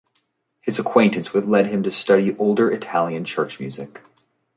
His acquaintance with led him to study older Italian church music.